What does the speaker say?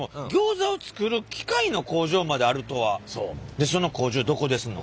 でその工場どこですの？